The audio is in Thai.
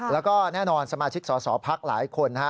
แล้วก็แน่นอนสมาชิกสอสอพักหลายคนนะฮะ